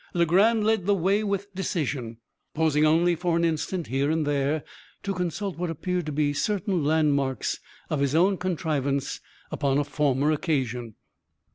Legrand led the way with decision; pausing only for an instant, here and there, to consult what appeared to be certain landmarks of his own contrivance upon a former occasion.